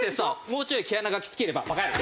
もうちょい毛穴がきつければバカ野郎。